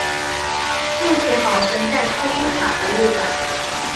目前保存在库宾卡博物馆。